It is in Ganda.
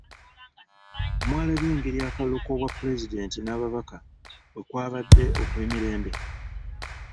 Mwalabye engeri akalulu k'obwapulezidenti n'ababaka bwekwabadde okw'emirembe!